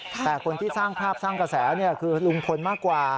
แต่คนที่สร้างภาพสร้างกระแสคือลุงพลมากกว่า